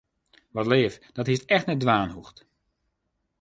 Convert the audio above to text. Wat leaf, dat hiest echt net dwaan hoegd.